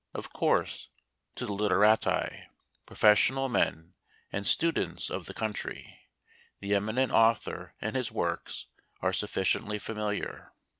Of course to the literati, pro fessional men, and students of the country, the eminent author and his works are sufficiently familiar.